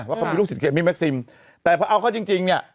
ว่าเขาเป็นลูกศิษย์ของเอมมี่แม็กซิมแต่เพราะเอาเขาจริงจริงเนี่ย